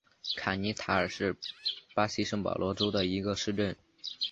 卡尼塔尔是巴西圣保罗州的一个市镇。